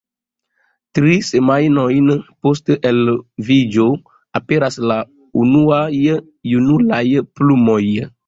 Tri semajnojn post eloviĝo, aperas la unuaj junulaj plumoj.